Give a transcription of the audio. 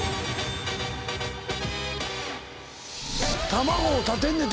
卵を立てんねんて。